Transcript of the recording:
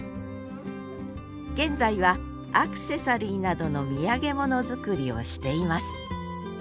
現在はアクセサリーなどの土産物作りをしています